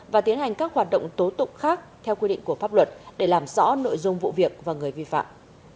và tiến hành các hoạt động tố tụng khác theo quy định của pháp luật để làm rõ nội dung vụ việc và người vi phạm